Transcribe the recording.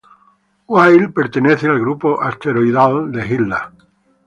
Wild pertenece al grupo asteroidal de Hilda.